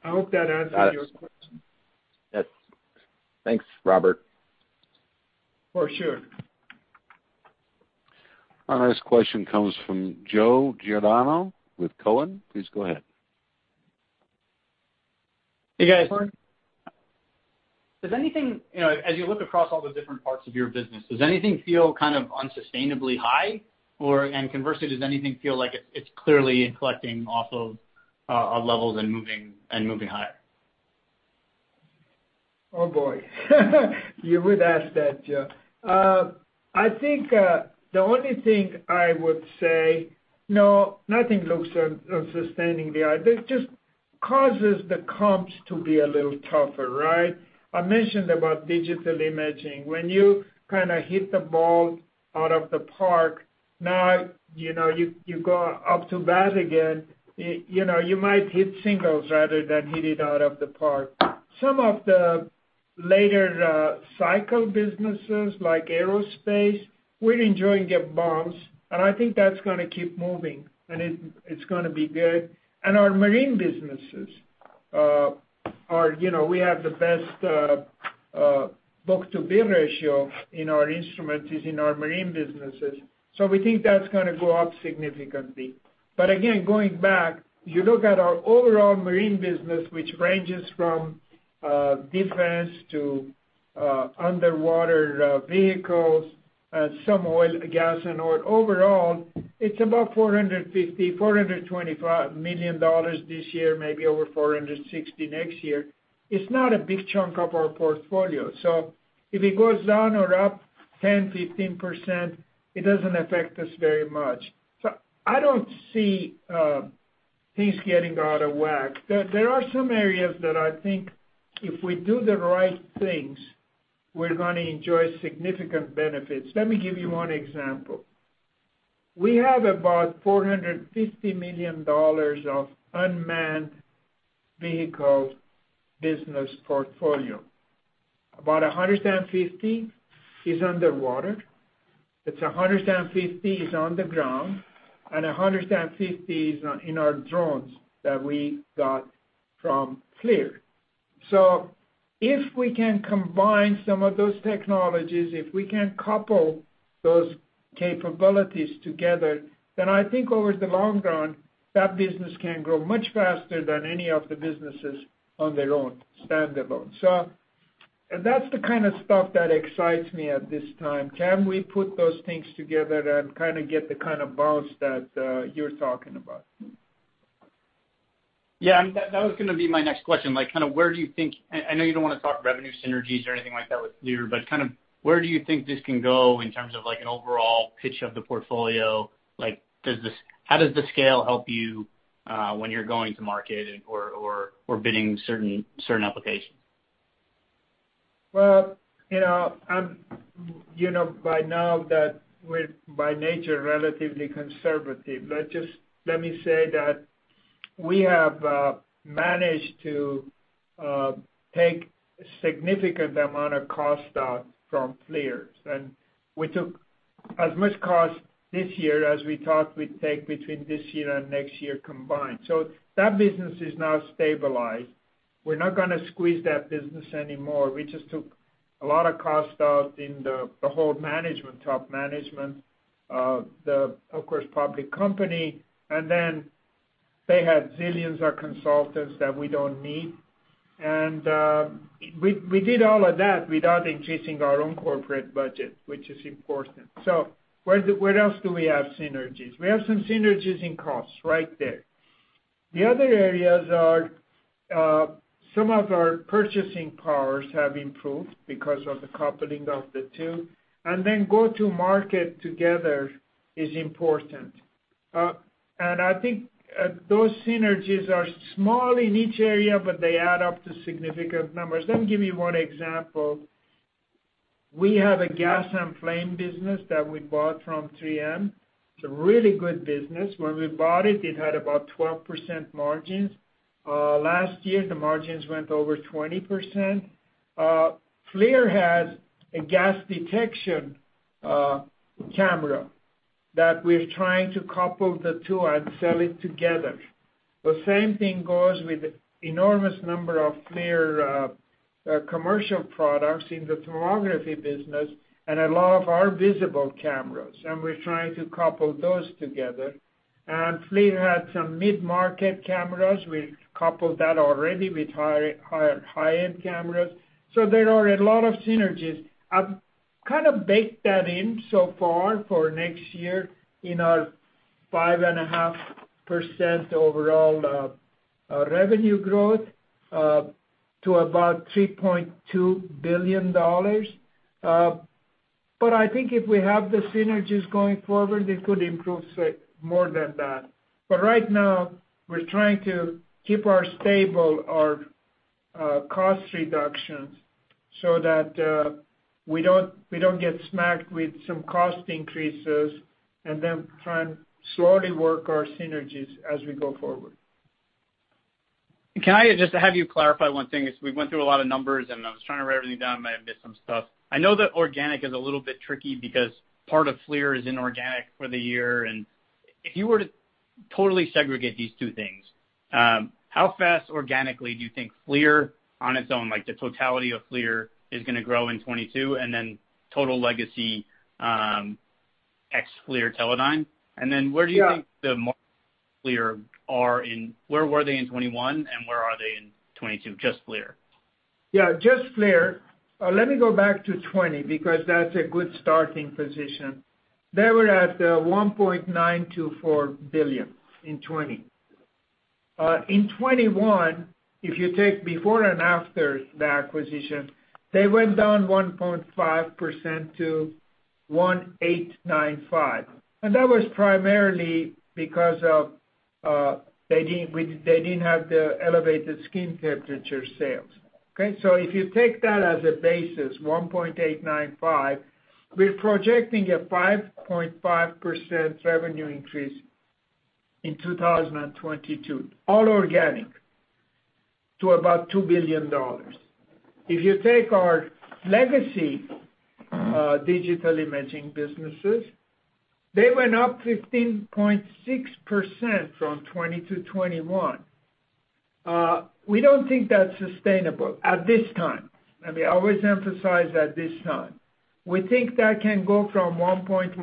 I hope that answered your question. Yes. Thanks, Robert. For sure. Our next question comes from Joe Giordano with Cowen. Please go ahead. Hey, guys. Does anything, you know, as you look across all the different parts of your business, does anything feel kind of unsustainably high or, and conversely, does anything feel like it's clearly inflecting off of levels and moving higher? Oh, boy. You would ask that, Joe. I think the only thing I would say, no, nothing looks unsustainably high. That just causes the comps to be a little tougher, right? I mentioned about Digital Imaging. When you kinda hit the ball out of the park, you know, you go up to bat again, you know, you might hit singles rather than hit it out of the park. Some of the later cycle businesses like aerospace, we're enjoying their bumps, and I think that's gonna keep moving, and it's gonna be good. Our marine businesses, you know, we have the best book-to-bill ratio in our instruments is in our marine businesses. We think that's gonna go up significantly. Again, going back, you look at our overall marine business, which ranges from defense to underwater vehicles, some oil, gas and oil. Overall, it's about $450 million-$425 million this year, maybe over $460 million next year. It's not a big chunk of our portfolio. So if it goes down or up 10%-15%, it doesn't affect us very much. So I don't see things getting out of whack. There are some areas that I think if we do the right things, we're gonna enjoy significant benefits. Let me give you one example. We have about $450 million of unmanned vehicle business portfolio. About 150 is underwater, but 150 is on the ground, and 150 is on in our drones that we got from FLIR. If we can combine some of those technologies, if we can couple those capabilities together, then I think over the long run, that business can grow much faster than any of the businesses on their own, standalone. That's the kind of stuff that excites me at this time. Can we put those things together and kinda get the kind of bounce that you're talking about? Yeah. That was gonna be my next question. Like, kinda where do you think I know you don't wanna talk revenue synergies or anything like that with FLIR, but kind of where do you think this can go in terms of, like, an overall pitch of the portfolio? Like, does this, how does the scale help you when you're going to market or bidding certain applications? Well, you know, you know by now that we're by nature relatively conservative. Let me say that we have managed to take a significant amount of cost out from FLIR. We took as much cost this year as we thought we'd take between this year and next year combined. That business is now stabilized. We're not gonna squeeze that business anymore. We just took a lot of cost out in the whole management, top management, the of course, public company. Then they had zillions of consultants that we don't need. We did all of that without increasing our own corporate budget, which is important. Where else do we have synergies? We have some synergies in costs right there. The other areas are some of our purchasing powers have improved because of the coupling of the two. Go-to market together is important. I think those synergies are small in each area, but they add up to significant numbers. Let me give you one example. We have a gas and flame business that we bought from 3M. It's a really good business. When we bought it had about 12% margins. Last year, the margins went over 20%. FLIR has a gas detection camera that we're trying to couple the two and sell it together. The same thing goes with enormous number of FLIR commercial products in the thermography business and a lot of our visible cameras, and we're trying to couple those together. FLIR had some mid-market cameras. We coupled that already with high-end cameras. There are a lot of synergies. I've kinda baked that in so far for next year in our 5.5% overall revenue growth to about $3.2 billion. I think if we have the synergies going forward, it could improve say more than that. Right now, we're trying to keep our costs stable, our cost reductions so that we don't get smacked with some cost increases, and then try and slowly work our synergies as we go forward. Can I just have you clarify one thing? As we went through a lot of numbers and I was trying to write everything down, I might have missed some stuff. I know that organic is a little bit tricky because part of FLIR is inorganic for the year. If you were to totally segregate these two things, how fast organically do you think FLIR on its own, like the totality of FLIR, is gonna grow in 2022, and then total legacy, ex-FLIR Teledyne? Yeah. Where were they in 2021 and where are they in 2022? Just FLIR. Yeah. Just FLIR. Let me go back to 2020 because that's a good starting position. They were at $1.924 billion in 2020. In 2021, if you take before and after the acquisition, they went down 1.5% to $1.895 billion. That was primarily because they didn't have the elevated skin temperature sales. Okay. If you take that as a basis, $1.895 billion, we're projecting a 5.5% revenue increase in 2022, all organic, to about $2 billion. If you take our legacy Digital Imaging businesses, they went up 15.6% from 2020 to 2021. We don't think that's sustainable at this time. Let me always emphasize at this time. We think that can go from $1.140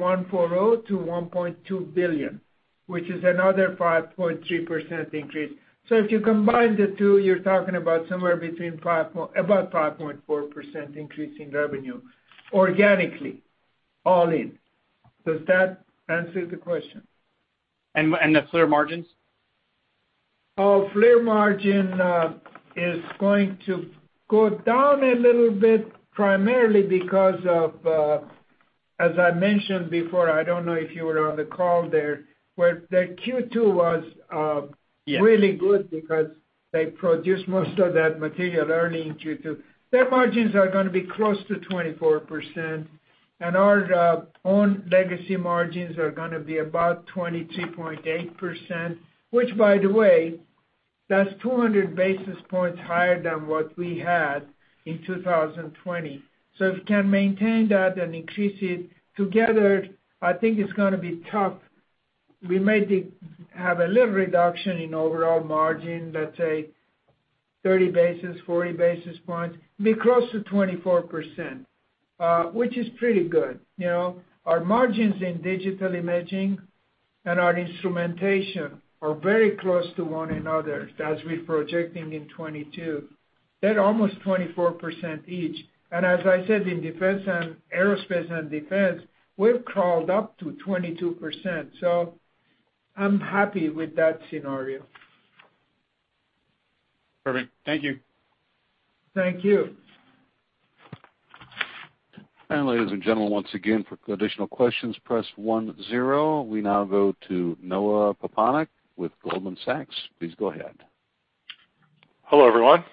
billion-$1.2 billion, which is another 5.3% increase. If you combine the two, you're talking about somewhere between about 5.4% increase in revenue organically, all in. Does that answer the question? The FLIR margins? Our FLIR margin is going to go down a little bit primarily because of, as I mentioned before, I don't know if you were on the call there, where the Q2 was. Yes Really good because they produced most of that material early in Q2. Their margins are gonna be close to 24%, and our own legacy margins are gonna be about 23.8%, which by the way, that's 200 basis points higher than what we had in 2020. If we can maintain that and increase it together, I think it's gonna be tough. We may have a little reduction in overall margin, let's say 30 basis points, 40 basis points, be close to 24%, which is pretty good, you know. Our margins in Digital Imaging and our Instrumentation are very close to one another as we're projecting in 2022. They're almost 24% each. As I said, in Aerospace and Defense, we've crawled up to 22%. I'm happy with that scenario. Perfect. Thank you. Thank you. Ladies and gentlemen, once again, for additional questions, press one zero. We now go to Noah Poponak with Goldman Sachs. Please go ahead. Hello, everyone.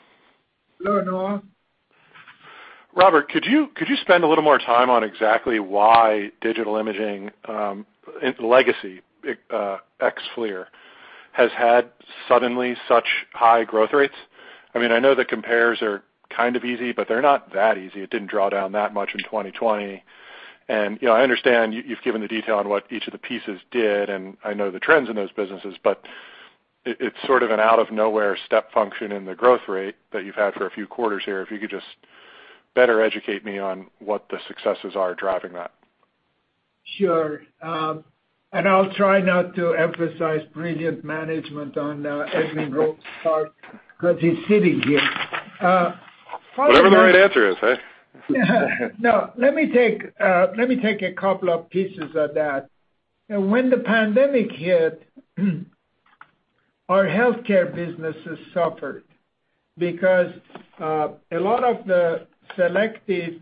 Hello, Noah. Robert, could you spend a little more time on exactly why Digital Imaging, legacy ex-FLIR, has had suddenly such high growth rates? I mean, I know the compares are kind of easy, but they're not that easy. It didn't draw down that much in 2020. You know, I understand you've given the detail on what each of the pieces did, and I know the trends in those businesses, but it's sort of an out of nowhere step function in the growth rate that you've had for a few quarters here. If you could just better educate me on what the successes are driving that. Sure. I'll try not to emphasize brilliant management on Edwin Roks's part because he's sitting here. Whatever the right answer is, huh? No. Let me take a couple of pieces of that. When the pandemic hit, our healthcare businesses suffered because a lot of the elective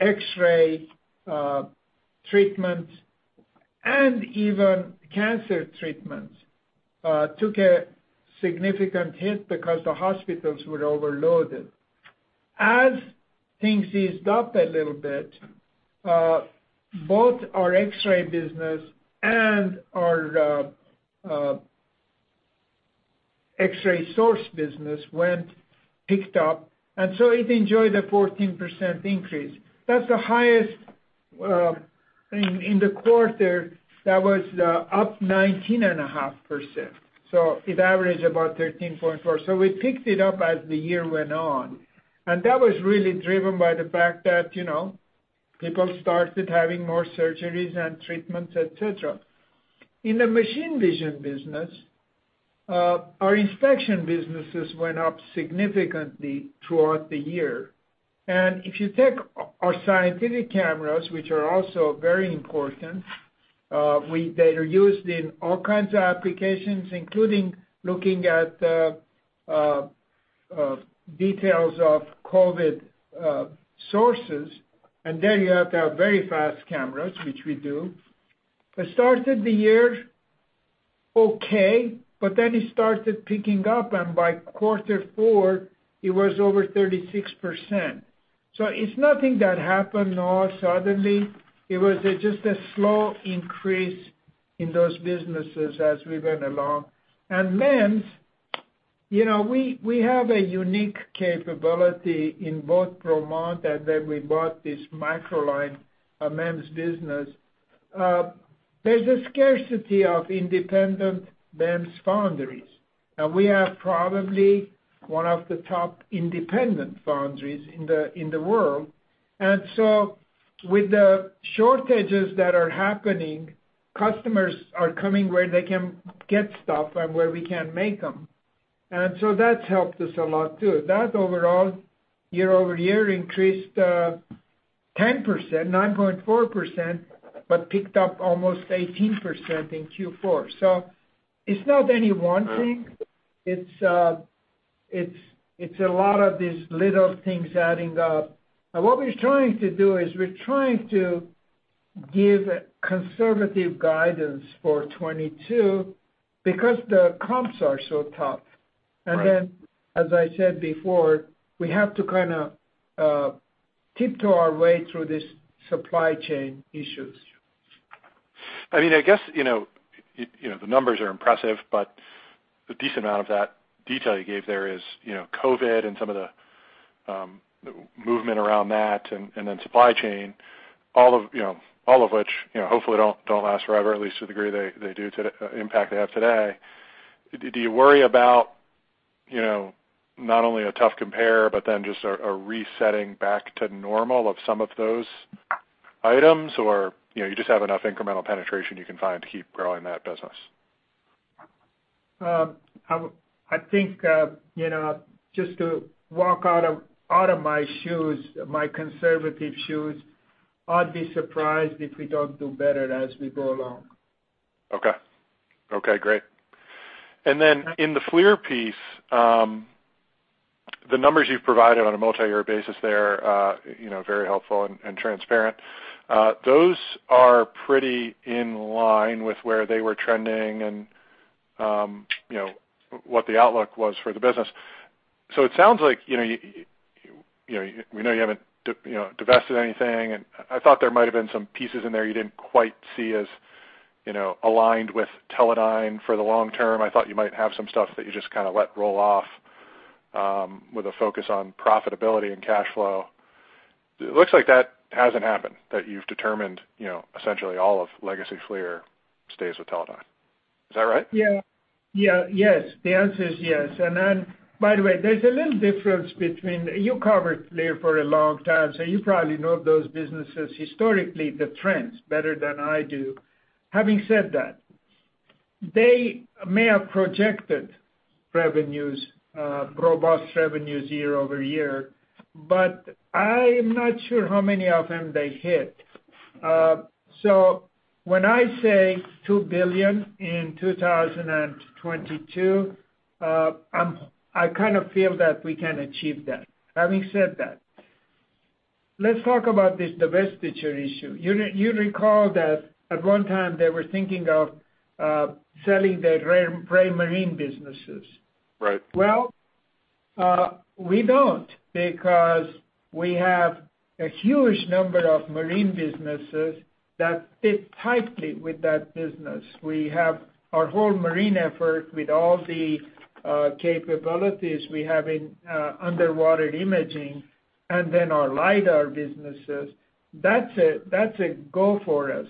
X-ray treatments and even cancer treatments took a significant hit because the hospitals were overloaded. As things eased up a little bit, both our X-ray business and our X-ray source business picked up, and so it enjoyed a 14% increase. That's the highest in the quarter that was up 19.5%. So it averaged about 13.4%. We picked it up as the year went on, and that was really driven by the fact that, you know, people started having more surgeries and treatments, et cetera. In the machine vision business, our inspection businesses went up significantly throughout the year. If you take our scientific cameras, which are also very important, they are used in all kinds of applications, including looking at details of COVID sources. There you have to have very fast cameras, which we do. It started the year okay, but then it started picking up, and by quarter four, it was over 36%. It's nothing that happened all of a sudden. It was just a slow increase in those businesses as we went along. MEMS, you know, we have a unique capability in both Bromont that when we bought this Micralyne MEMS business. There's a scarcity of independent MEMS foundries, and we are probably one of the top independent foundries in the world. With the shortages that are happening, customers are coming where they can get stuff and where we can make them. That's helped us a lot too. That overall year-over-year increased 10%, 9.4%, but picked up almost 18% in Q4. It's not any one thing. It's a lot of these little things adding up. What we're trying to do is we're trying to give conservative guidance for 2022 because the comps are so tough. Right. As I said before, we have to kinda tiptoe our way through this supply chain issues. I mean, I guess, you know, it you know, the numbers are impressive, but a decent amount of that detail you gave there is, you know, COVID and some of the movement around that and then supply chain, all of, you know, all of which, you know, hopefully don't last forever, at least to the degree they do today, the impact they have today. Do you worry about, you know, not only a tough compare but then just a resetting back to normal of some of those items, or, you know, you just have enough incremental penetration you can find to keep growing that business? I think, you know, just to walk out of my shoes, my conservative shoes. I'd be surprised if we don't do better as we go along. Okay. Okay, great. Then in the FLIR piece, the numbers you've provided on a multi-year basis there, you know, very helpful and transparent. Those are pretty in line with where they were trending and, you know, what the outlook was for the business. It sounds like, you know, we know you haven't, you know, divested anything, and I thought there might have been some pieces in there you didn't quite see as, you know, aligned with Teledyne for the long-term. I thought you might have some stuff that you just kind of let roll off, with a focus on profitability and cash flow. It looks like that hasn't happened, that you've determined, you know, essentially all of legacy FLIR stays with Teledyne. Is that right? Yes. The answer is yes. By the way, there's a little difference between. You covered FLIR for a long time, so you probably know those businesses historically, the trends better than I do. Having said that, they may have projected revenues, robust revenues year-over-year, but I am not sure how many of them they hit. So when I say $2 billion in 2022, I kind of feel that we can achieve that. Having said that, let's talk about this divestiture issue. You recall that at one time they were thinking of selling their Raymarine businesses. Right. Well, we don't, because we have a huge number of marine businesses that fit tightly with that business. We have our whole marine effort with all the capabilities we have in underwater imaging and then our LIDAR businesses. That's a go for us.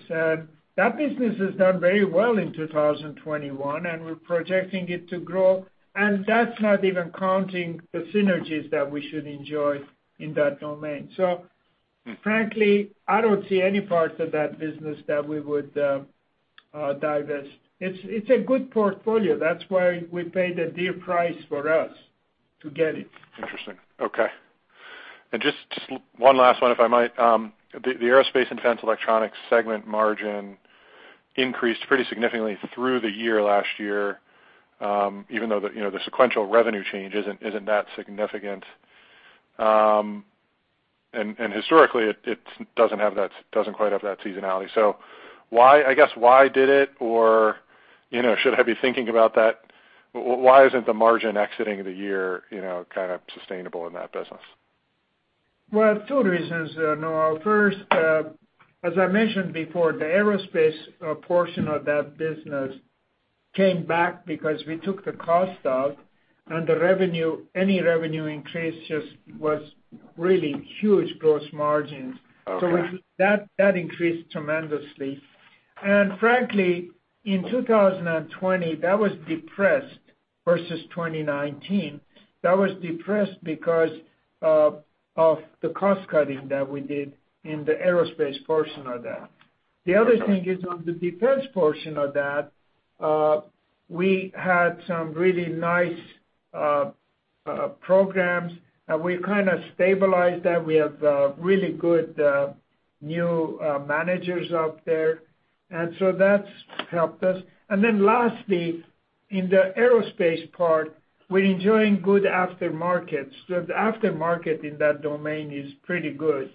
That business has done very well in 2021, and we're projecting it to grow, and that's not even counting the synergies that we should enjoy in that domain. Frankly, I don't see any parts of that business that we would divest. It's a good portfolio. That's why we paid a dear price for us to get it. Interesting. Okay. Just one last one, if I might. The Aerospace and Defense Electronics segment margin increased pretty significantly through the year last year, even though you know, the sequential revenue change isn't that significant. Historically, it doesn't quite have that seasonality. I guess, why did it or, you know, should I be thinking about that? Why isn't the margin exiting the year, you know, kind of sustainable in that business? Well, two reasons, Noah. First, as I mentioned before, the aerospace portion of that business came back because we took the cost out and the revenue, any revenue increase just was really huge gross margins. Okay. That increased tremendously. Frankly, in 2020, that was depressed versus 2019. That was depressed because of the cost cutting that we did in the aerospace portion of that. The other thing is on the defense portion of that, we had some really nice programs, and we kind of stabilized that. We have really good new managers up there. That's helped us. Then lastly, in the aerospace part, we're enjoying good aftermarkets. The aftermarket in that domain is pretty good.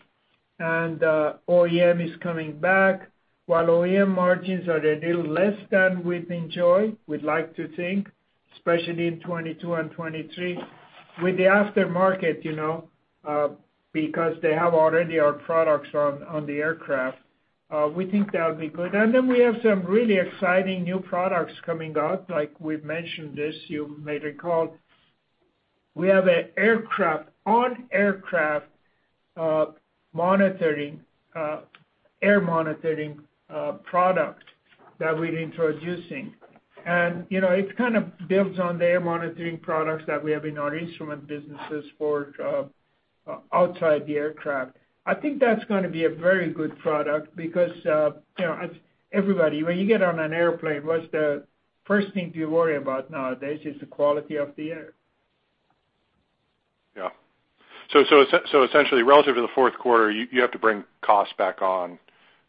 OEM is coming back. While OEM margins are a little less than we'd enjoy, we'd like to think, especially in 2022 and 2023, with the aftermarket, you know, because they have already our products on the aircraft, we think that'll be good. Then we have some really exciting new products coming out. Like we've mentioned this, you may recall, we have an on-aircraft air monitoring product that we're introducing. You know, it kind of builds on the air monitoring products that we have in our instrument businesses for outside the aircraft. I think that's gonna be a very good product because, you know, everybody, when you get on an airplane, what's the first thing you worry about nowadays is the quality of the air. Yeah. Essentially relative to the fourth quarter, you have to bring costs back on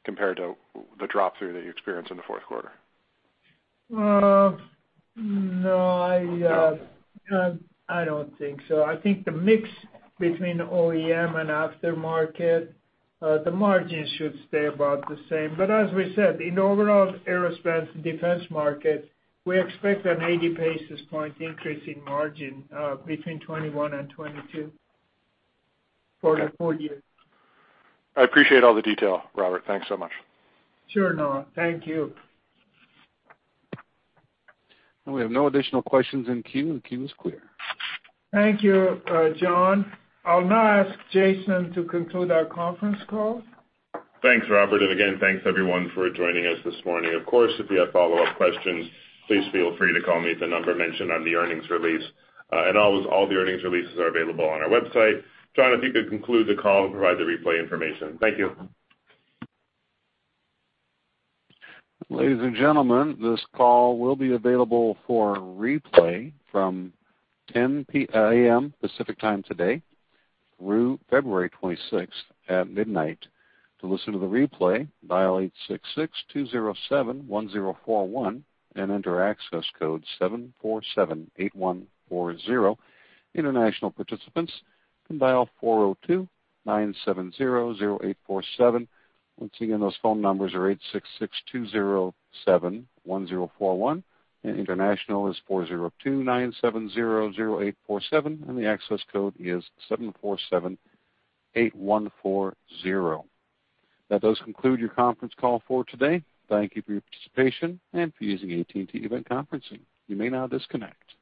compared to the drop through that you experienced in the fourth quarter? No, I don't think so. I think the mix between OEM and aftermarket, the margins should stay about the same. As we said, in the overall Aerospace and Defense market, we expect an 80 basis point increase in margin, between 2021 and 2022 for the full year. I appreciate all the detail, Robert. Thanks so much. Sure, Noah. Thank you. We have no additional questions in queue. The queue is clear. Thank you, John. I'll now ask Jason to conclude our conference call. Thanks, Robert. Again, thanks everyone for joining us this morning. Of course, if you have follow-up questions, please feel free to call me at the number mentioned on the earnings release. Always, all the earnings releases are available on our website. John, if you could conclude the call and provide the replay information. Thank you. Ladies and gentlemen, this call will be available for replay from 10:00 A.M. Pacific Time today through February 26th at midnight. To listen to the replay, dial 866-207-1041 and enter access code 7478140. International participants can dial 402-970-0847. Once again, those phone numbers are 866-207-1041, and international is 402-970-0847, and the access code is 7478140. That does conclude your conference call for today. Thank you for your participation and for using AT&T event conferencing. You may now disconnect.